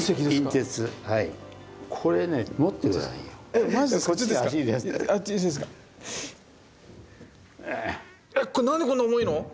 えっこれ何でこんな重いの？